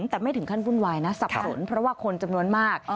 แต่ไม่ถึงขั้นวุ่นวายนะสับสนเพราะว่าคนจำนวนมาก